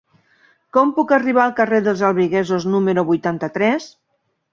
Com puc arribar al carrer dels Albigesos número vuitanta-tres?